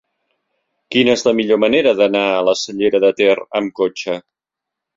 Quina és la millor manera d'anar a la Cellera de Ter amb cotxe?